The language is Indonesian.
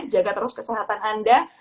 jaga terus kesehatan anda